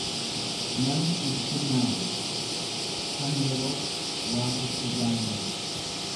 nama sissinnaawu, kan yeroof waan tokko jaallatu.